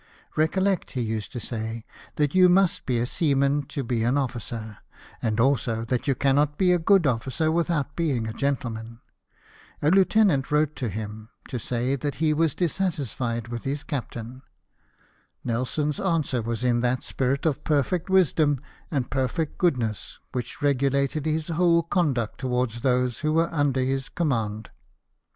" Recollect,", he used to say, " that you must be a seaman to be an officer ; and also, that you cannot be a good officer without being a gentleman." A lieu tenant wrote to him, to say that he was dissatisfied with his captain. Nelson's answer was in that spirit of perfect wisdom and perfect goodness which regulated his whole conduct toward those who were under his command.